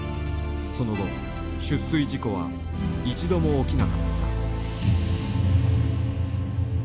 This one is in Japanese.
その後出水事故は一度も起きなかった。